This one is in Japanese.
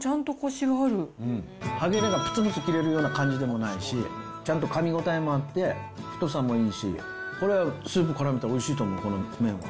歯切れがぷつぷつ切れる感じでもないし、ちゃんとかみ応えもあって、太さもいいし、これ、スープからめたらおいしいと思う、この麺は。